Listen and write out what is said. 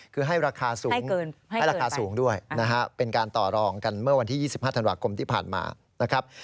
คือให้ราคาสูงให้ราคาสูงด้วยนะฮะเป็นการต่อรองกันเมื่อวันที่๒๕ธันวาคมที่ผ่านมานะครับ